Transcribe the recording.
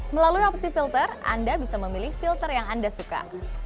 melalui opsi filter anda bisa memilih filter yang anda suka